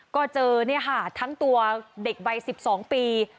ก็เจอทั้งตัวเด็กวัย๑๒ปี